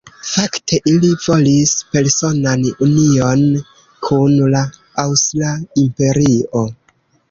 Fakte ili volis personan union kun la Aŭstra Imperio.